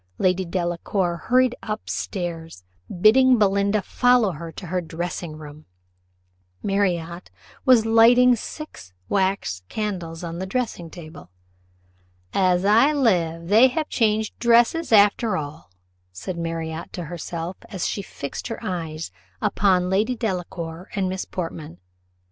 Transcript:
Lady Delacour hurried up stairs, bidding Belinda follow her to her dressing room. Marriott was lighting the six wax candles on the dressing table. "As I live, they have changed dresses after all," said Marriott to herself, as she fixed her eyes upon Lady Delacour and Miss Portman.